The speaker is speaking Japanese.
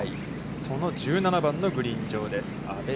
そして１７番のグリーン上です。